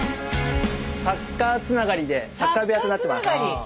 サッカーつながりでサッカー部屋となってます。